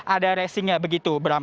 ada racingnya begitu